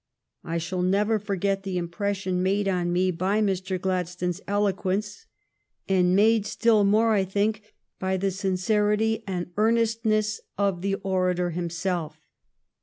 I shall never forget the impression made on me by Mr. Gladstone's eloquence, and made still more, I think, by the sincerity and the earnestness of the orator him self.